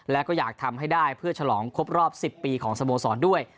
และก็อยากทำให้ได้เพื่อฉลองครบรอบ๑๐ปีของสโมสรด้วย